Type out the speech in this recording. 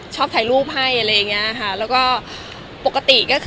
ชอบถ่ายรูปให้